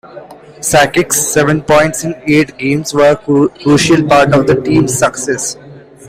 Sakic's seven points in eight games were a crucial part of the team's success.